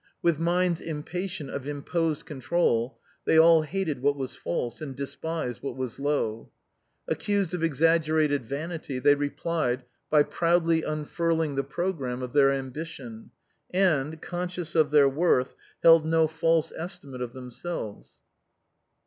With minds impatient of imposed con trol, they all hated what was false, and despised what was low. Accused of exaggerated vanity, they replied by proudly unfurling the programme of their ambition, and, conscious of their worth, held no false estimate of them selves.